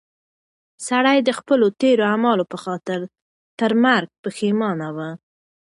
سړی د خپلو تېرو اعمالو په خاطر تر مرګ پښېمانه و.